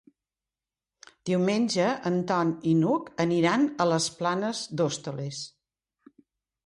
Diumenge en Ton i n'Hug aniran a les Planes d'Hostoles.